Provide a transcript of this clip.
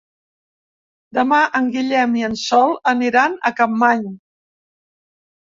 Demà en Guillem i en Sol aniran a Capmany.